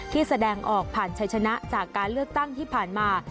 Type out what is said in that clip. แสดงออกผ่านชัยชนะจากการเลือกตั้งที่ผ่านมา